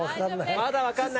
まだわかんない。